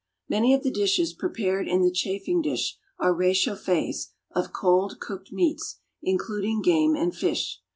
= Many of the dishes prepared in the chafing dish are réchauffés of cold cooked meats, including game and fish.